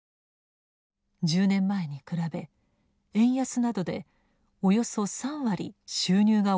１０年前に比べ円安などでおよそ３割収入が落ちたといいます。